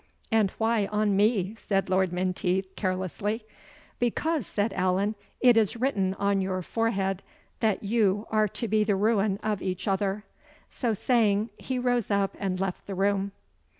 "And why on me?" said Lord Menteith, carelessly. "Because," said Allan, "it is written on your forehead, that you are to be the ruin of each other." So saying, he rose up and left the room.